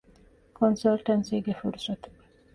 ކޮންސަލްޓަންސީގެ ފުރުސަތު